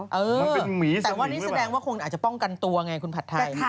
แต่ว่านี่แสดงว่าคนอาจจะป้องกันตัวไงคุณผัดไทย